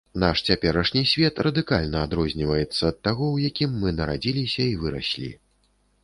Наш цяперашні свет радыкальна адрозніваецца ад тога, у якім мы нарадзіліся і выраслі.